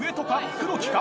黒木か？